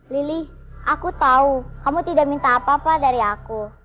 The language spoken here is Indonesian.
lili aku tahu kamu tidak minta apa apa dari aku